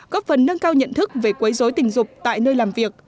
góp phần nâng cao nhận thức về quấy dối tình dục tại nơi làm việc